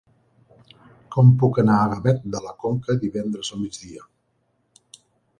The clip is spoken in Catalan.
Com puc anar a Gavet de la Conca divendres al migdia?